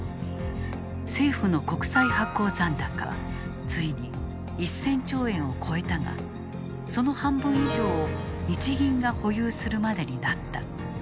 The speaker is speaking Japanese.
政府の国債の発行残高はついに１０００兆円を超えたがその半分以上を日銀が保有するまでになった。